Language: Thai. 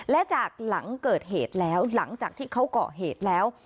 และจากหลังเกิดเหตุแล้วหลังจากที่เขาเกาะเหตุแล้ว